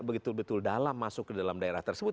betul betul dalam masuk ke dalam daerah tersebut